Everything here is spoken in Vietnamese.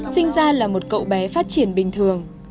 sinh ra là một cậu bé phát triển bình thường